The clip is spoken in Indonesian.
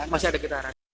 masih ada getaran